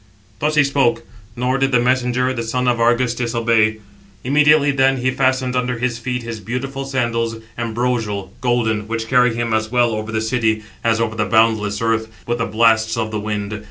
Thus he spoke; nor did the messenger, the son of Argus. disobey. 789 Immediately then he fastened under his feet his beautiful sandals, ambrosial, golden, which carry him as well over the sea, as over the boundless earth, with the blasts of the wind.